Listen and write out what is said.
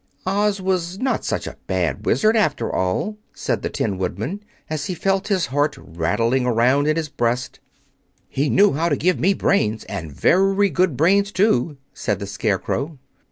"Oz was not such a bad Wizard, after all," said the Tin Woodman, as he felt his heart rattling around in his breast. "He knew how to give me brains, and very good brains, too," said the Scarecrow.